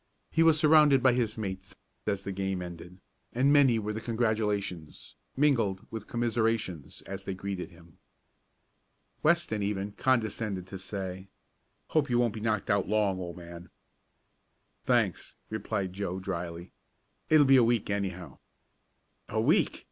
He was surrounded by his mates, as the game ended, and many were the congratulations, mingled with commiserations, as they greeted him. Weston even condescended to say: "Hope you won't be knocked out long, old man." "Thanks," replied Joe dryly. "It'll be a week anyhow." "A week!"